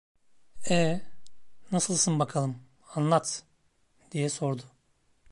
E, nasılsın bakalım, anlat! diye sordu.